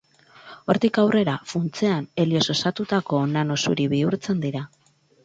Hortik aurrera, funtsean helioz osatutako nano zuri bihurtzen dira.